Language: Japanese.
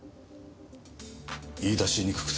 言い出しにくくて。